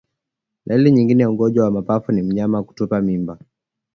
Dalili nyingine ya ugonjwa wa mapafu ni mnyama kutupa mimba